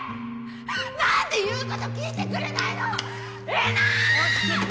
何で言うこと聞いてくれないの！